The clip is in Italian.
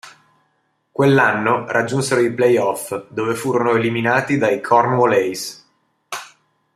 Quell'anno raggiunsero i playoff dove furono eliminati dai Cornwall Aces.